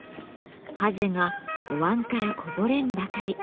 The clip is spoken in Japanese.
はぜがお椀からこぼれんばかり。